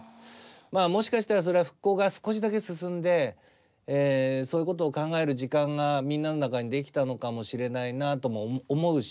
まあもしかしたらそれは復興が少しだけ進んでそういうことを考える時間がみんなの中にできたのかもしれないなとも思うし。